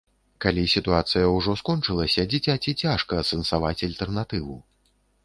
Калі сітуацыя ўжо скончылася, дзіцяці цяжка асэнсаваць альтэрнатыву.